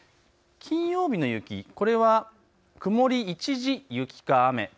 金曜日の雪、これは曇り一時、雪か雨。